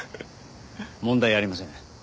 問題ありません。